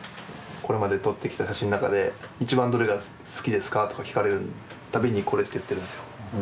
これまで撮ってきた写真の中で一番どれが好きですかとか聞かれる度にこれって言ってるんですよ。